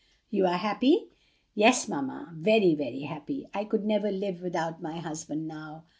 "You are happy?" "Yes, mamma, very, very happy. I could never live without my husband now.